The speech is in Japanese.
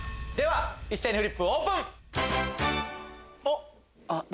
一斉にフリップオープン！